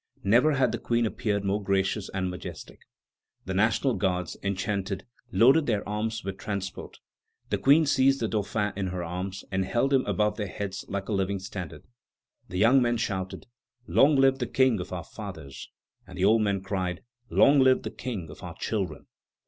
Never had the Queen appeared more gracious and majestic. The National Guards, enchanted, loaded their arms with transport. The Queen seized the Dauphin in her arms and held him above their heads like a living standard. The young men shouted: "Long live the Kings of our fathers!" And the old men cried: "Long live the King of our children!"